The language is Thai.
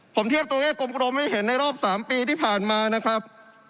ผมเทียบตัวเลขกลมให้เห็นในรอบ๓ปีที่ผ่านมานะครับ